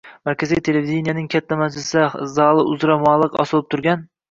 Markaziy televideniyening katta majlislar zali uzra muallaq osilib turgan